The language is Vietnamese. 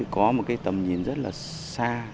có một tầm nhìn rất là xa